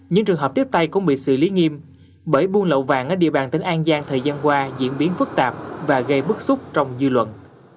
những trường hợp tiếp tay cũng bị xử lý nghiêm bởi buôn lậu vàng ở địa bàn tỉnh an giang thời gian qua diễn biến phức tạp và gây bức xúc trong dư luận